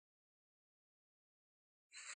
ممتاز د ځان په جال کې ګیر دی